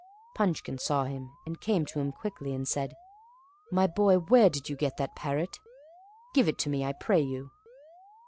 Punchkin saw him, and came to him quickly, and said, "My boy, where did yon get that parrot? Give it to me, I pray you."